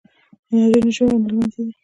انرژي نه جوړېږي او نه له منځه ځي.